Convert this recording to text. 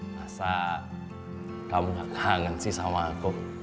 masa kamu gak kangen sih sama aku